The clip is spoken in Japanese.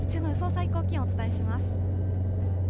最高気温をお伝えします。